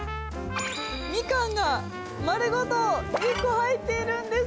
ミカン丸ごと１個入っているんです。